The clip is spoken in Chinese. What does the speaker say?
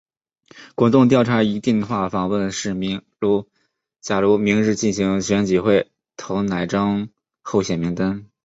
滚动调查以电话访问市民假如明日进行选举会投哪张候选名单。